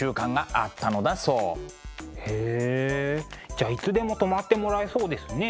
じゃいつでも泊まってもらえそうですね。